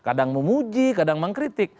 kadang menguji kadang mengkritik